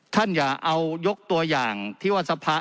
อย่าเอายกตัวอย่างที่ว่าสภา